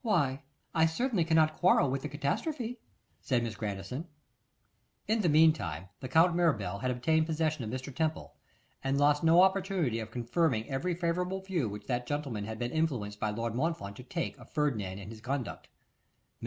'Why, I certainly cannot quarrel with the catastrophe,' said Miss Grandison. In the meantime, the Count Mirabel had obtained possession of Mr. Temple, and lost no opportunity of confirming every favourable view which that gentleman had been influenced by Lord Montfort to take of Ferdinand and his conduct. Mr.